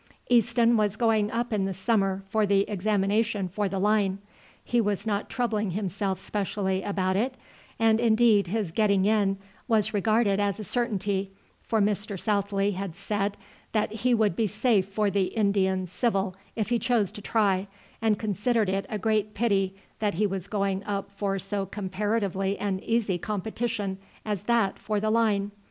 Easton was going up in the summer for the examination for the line. He was not troubling himself specially about it; and indeed his getting in was regarded as a certainty, for Mr. Southley had said that he would be safe for the Indian Civil if he chose to try, and considered it a great pity that he was going up for so comparatively an easy competition as that for the line.